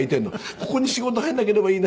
ここに仕事入らなければいいな。